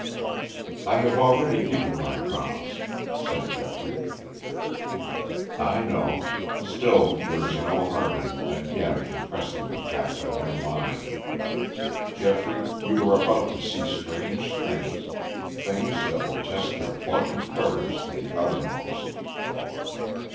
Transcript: "I have already given my promise," said Geoffrey. "I know. Still there is no harm in again impressing the fact on your mind. Geoffrey, you are about to see strange things, things that will test your pluck and courage to the uttermost."